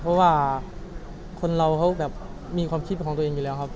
เพราะว่าคนเราเขาแบบมีความคิดของตัวเองอยู่แล้วครับ